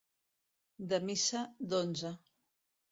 De missa d'onze.